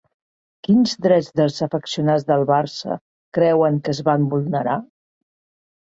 Quins drets dels afeccionats del Barça creuen que es van vulnerar?